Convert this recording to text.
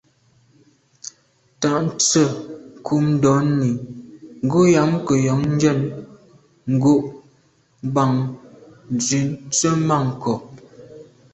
Tà nse’ nkum ndonni, ngùnyàm ke’ yon njen ngo’ bàn nzwi tswemanko’.